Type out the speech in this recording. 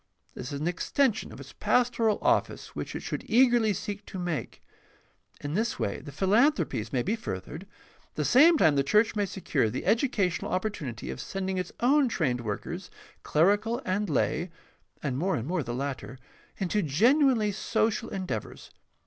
This is an extension of its pastoral office which it should eagerly seek to make. In this way the philanthropies may be furthered, and at the same time the church may secure the educational opportunity of sending its own trained workers, clerical and lay (and more and more the latter), into genuinely social en deavors.